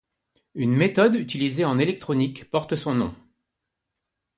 Une méthode utilisée en électronique porte son nom.